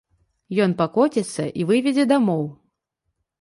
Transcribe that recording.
Ён пакоціцца і выведзе дамоў.